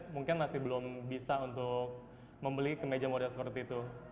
mungkin masih belum bisa untuk membeli kemeja model seperti itu